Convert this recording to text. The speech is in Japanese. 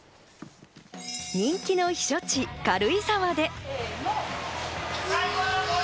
人気の避暑地・軽井沢で。